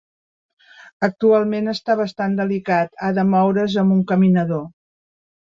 Actualment està bastant delicat, ha de moure"s amb un caminador.